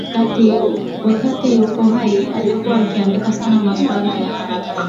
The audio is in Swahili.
Wakati yupo hai na alikuwa akiandika sana masuala ya harakati